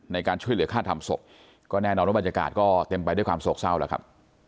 ในการช่วยเหลือค่าทำศพก็แน่นอนว่าบรรยากาศก็เต็มไปด้วยความโศกเศร้าแล้วครับ